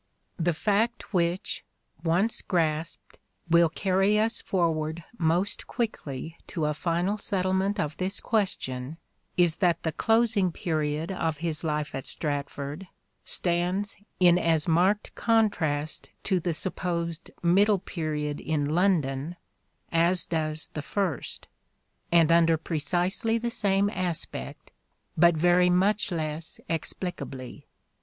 The fact which, once grasped, will carry us forward The closing most quickly to a final settlement of this question Period is that the closing period of his life at Stratford stands in as marked contrast to the supposed middle period in London as does the first, and under precisely the same aspect, but very much less explicably.